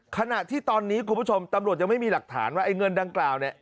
ขณะที่ตอนนี้คุณผู้ชมตำรวจยังไม่มีหลักฐานว่าไอ้เงินดังกล่าวเนี่ย